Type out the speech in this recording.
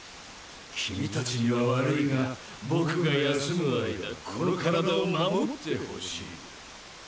君達には悪いが僕が休む間この体を守ってほしい。